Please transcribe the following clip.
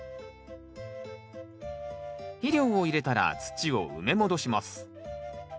肥料を入れたら土を埋め戻します。